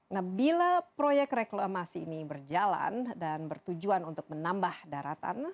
nah bila proyek reklamasi ini berjalan dan bertujuan untuk menambah daratan